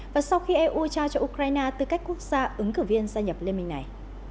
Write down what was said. và sau khi eu trao cho ukraine tư cách quốc gia ứng cử viên gia nhập liên minh này